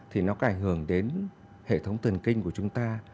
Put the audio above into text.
thì nó có ảnh hưởng đến hệ thống thần kinh của chúng ta